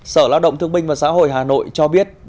sở lao động thương binh và xã hội hà nội cho biết